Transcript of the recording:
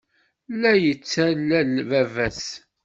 La yettalel baba-s.